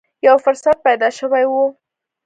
یو فرصت پیدا شوې و